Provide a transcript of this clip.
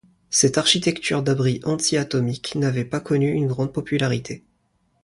Cette architecture d'abri anti-atomique n'avait pas connu une grande popularité.